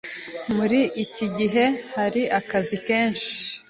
Muri iki gihe hari akazi kenshi.